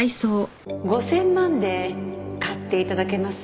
５０００万で買っていただけます？